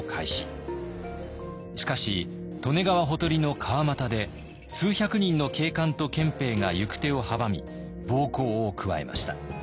しかし利根川ほとりの川俣で数百人の警官と憲兵が行く手を阻み暴行を加えました。